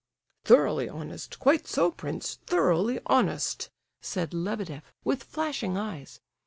"Thoroughly honest, quite so, prince, thoroughly honest!" said Lebedeff, with flashing eyes.